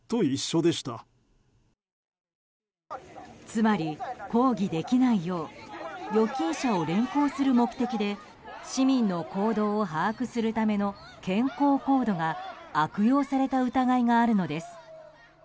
つまり、抗議できないよう預金者を連行する目的で市民の行動を把握するための健康コードが悪用された疑いがあるのです。